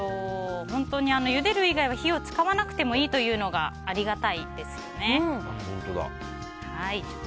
ゆでる以外は火を使わなくていいというのがありがたいですよね。